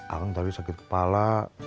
alang tadi sakit kepala